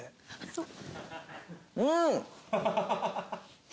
うん！